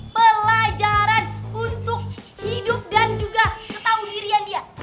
pelajaran untuk hidup dan juga ketahudiannya